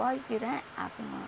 mungkin akan berubah